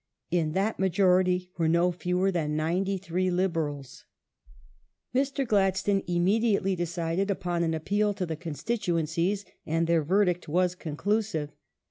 In that majority were no fewer than ninety three Liberals. General ^^' Gladstone immediately decided upon an appeal to the Election constituencies, and their verdict was conclusive.